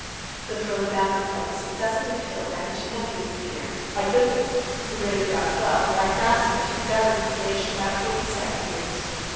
The throne of Africa was successively filled by the two nephews of Hunneric; by Gundamund, who reigned about twelve, and by Thrasimund, who governed the nation about twenty seven, years.